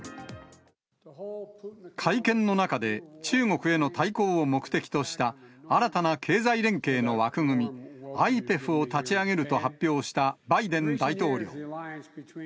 会見の中で、中国への対抗を目的とした新たな経済連携の枠組み、ＩＰＥＦを立ち上げると発表したバイデン大統領。